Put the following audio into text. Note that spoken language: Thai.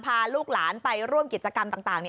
พาลูกหลานไปร่วมกิจกรรมต่าง